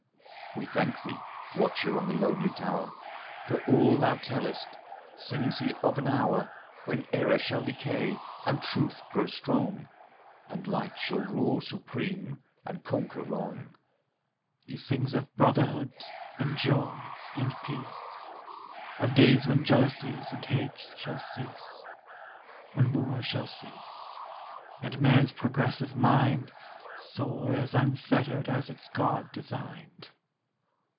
We thank thee, watcher on the lonely tower, For all thou tellest. Sings he of an hour When error shall decay, and truth grow strong, And light shall rule supreme and conquer wrong? "He sings of brotherhood and joy and peace, Of days when jealousies and hate shall cease; When war shall cease, and man's progressive mind Soar as unfettered as its God designed."